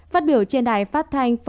phát biểu trên đài phát thanh